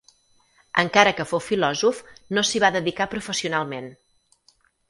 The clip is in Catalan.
Encara que fou filòsof no s'hi va dedicar professionalment.